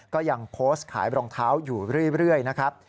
ก็ยังโพสต์ขายรองเท้าอยู่เรื่อยนะครับ